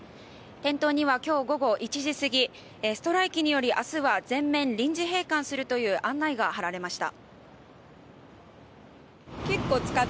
店頭には今日午後１時すぎストライキによる明日は全館臨時閉館するという案内が貼られました。